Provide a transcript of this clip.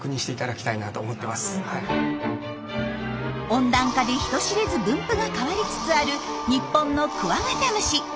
温暖化で人知れず分布が変わりつつある日本のクワガタムシ。